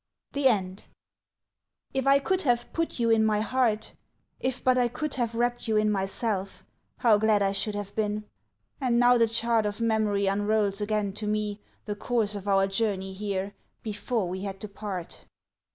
THE END IF I could have put you in my heart, If but I could have wrapped you in myself, How glad I should have been! And now the chart Of memory unrolls again to me The course of our journey here, before we had to part.